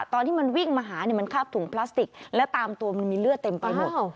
ตอนที่มันวิ่งมาหาเนี่ยมันคาบถุงพลาสติกและตามตัวมันมีเลือดเต็มไปหมด